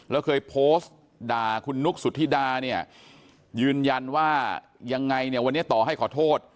แล้วเคยโพสต์ด่าคุณนุ๊กสุธิดาเนี่ยยืนยันว่ายังไงเนี่ยวันนี้ต่อให้ขอโทษ